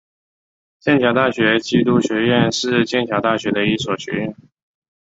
剑桥大学基督学院是剑桥大学的一所学院。